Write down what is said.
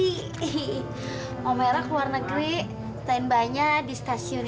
ihi ihi omela keluar negeri tembanya di stasiun